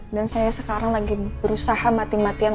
dan saya sekarang lagi berusaha mati matian